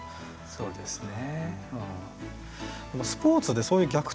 そうですね。